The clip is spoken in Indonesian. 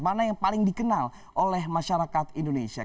mana yang paling dikenal oleh masyarakat indonesia